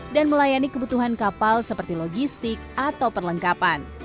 dan melayani kebutuhan kapal seperti logistik atau perlengkapan